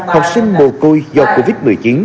học sinh mùa côi do covid một mươi chín